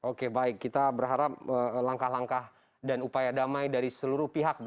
oke baik kita berharap langkah langkah dan upaya damai dari seluruh pihak